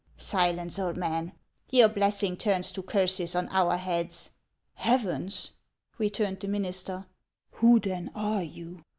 Silence, old man ! Your blessing turns to curses on our heads." ': Heavens '." returned the minister, " who then are you